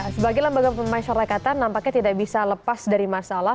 sebagai lembaga pemasyarakatan nampaknya tidak bisa lepas dari masalah